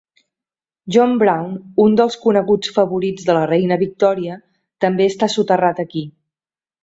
John Brown, un dels coneguts favorits de la reina Victòria, també està soterrat aquí.